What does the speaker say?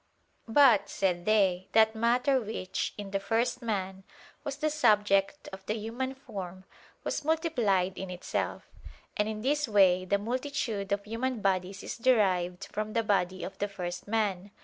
But, said they, that matter which, in the first man, was the subject of the human form, was multiplied in itself: and in this way the multitude of human bodies is derived from the body of the first man.